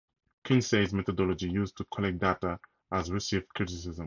Kinsey's methodology used to collect data has received criticism.